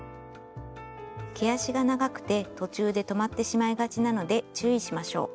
毛足が長くて途中で止まってしまいがちなので注意しましょう。